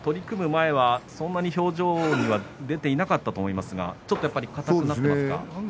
前はそんなに表情には出ていなかったと思いますがちょっと硬くなっていますか。